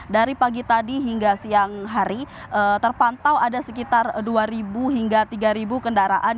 dari pagi tadi hingga siang hari terpantau ada sekitar dua hingga tiga kendaraan